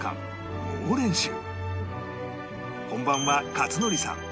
本番は克典さん